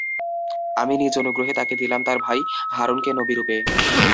আমি নিজ অনুগ্রহে তাকে দিলাম তার ভাই হারূনকে নবীরূপে।